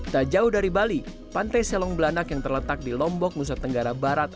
tak jauh dari bali pantai selong belanak yang terletak di lombok nusa tenggara barat